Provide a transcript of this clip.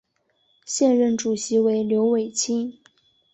现任主席为刘伟清。